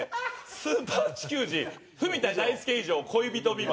「“スーパー地球人”文田大介以上恋人未満」